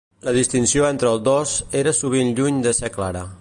La distinció entre el dos era sovint lluny de ser clara.